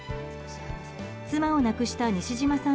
妻を亡くした西島さん